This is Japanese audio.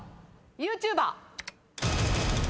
ＹｏｕＴｕｂｅｒ。